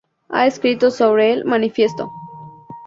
Ha escrito sobre el "Manifiesto.